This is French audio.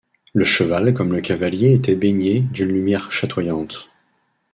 Le cheval comme le cavalier étaient baignés d'une lumière chatoyante.